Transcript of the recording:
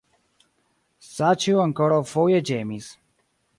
Saĉjo ankoraŭfoje ĝemis.